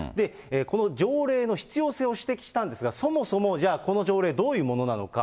この条例の必要性を指摘したんですが、そもそもじゃあ、この条例、どういうものなのか。